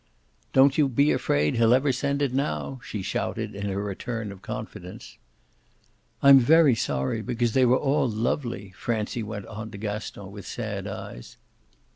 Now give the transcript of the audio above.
"Don't you be afraid he'll ever send it now!" she shouted in her return of confidence. "I'm very sorry because they were all lovely," Francie went on to Gaston with sad eyes.